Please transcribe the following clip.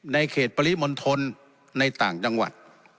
ในเขตปริมณฑลในต่างจังหวัด